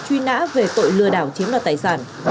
truy nã về tội lừa đảo chiếm đoạt tài sản